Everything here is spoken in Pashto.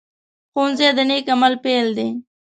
ښوونځی د نیک عمل پيل دی